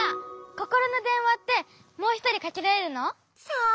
ココロのでんわってもうひとりかけられるの？さあ？